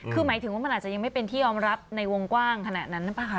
คือหมายถึงว่ามันอาจจะยังไม่เป็นที่ยอมรับในวงกว้างขนาดนั้นหรือเปล่าคะ